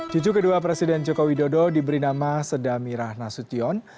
cucu kedua presiden jokowi dodo diberi nama sedamirah nasution